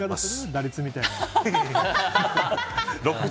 打率みたいな。